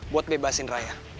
buat bebasin raya